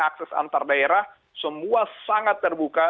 akses antar daerah semua sangat terbuka